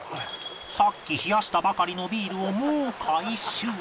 さっき冷やしたばかりのビールをもう回収